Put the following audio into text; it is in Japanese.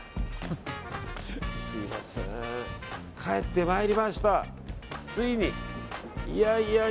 帰ってまいりました。